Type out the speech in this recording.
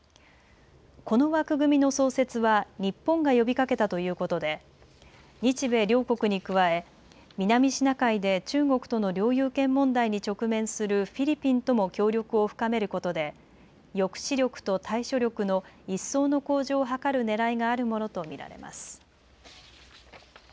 この枠組みの創設は日本が呼びかけたということで日米両国に加え南シナ海で中国との領有権問題に直面するフィリピンとも協力を深めることで抑止力と対処力の一層の向上を図るねらいがあるものと見られます。